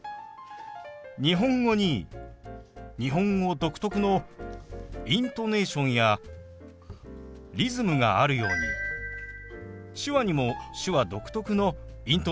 日本語に日本語独特のイントネーションやリズムがあるように手話にも手話独特のイントネーションやリズムがあります。